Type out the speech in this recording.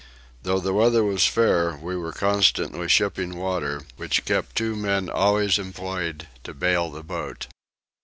Though the weather was fair we were constantly shipping water, which kept two men always employed to bale the boat.